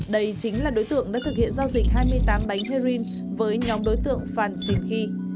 đây chính là đối tượng đã thực hiện giao dịch hai mươi tám bánh heroin với nhóm đối tượng phan xìn khi